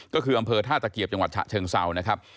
ก็คืออำเภอท่าตะเกียบจังหวัดฉะเชิงเซานะครับ